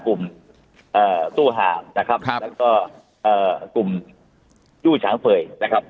กลุ่มตู้หาวนะครับครับแล้วก็กลุ่มจู้ช้างเฟยนะครับ